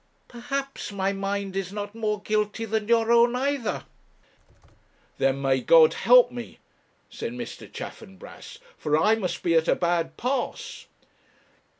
'Perhaps my mind is not more guilty than your own, either.' 'Then may God help me,' said Mr. Chaffanbrass, 'for I must be at a bad pass.